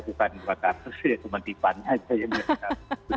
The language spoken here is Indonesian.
bukan dua kasur ya cuma tipanya aja yang dikasur